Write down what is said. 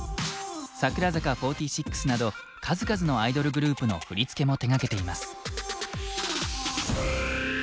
櫻坂４６など数々のアイドルグループの振り付けも手がけています。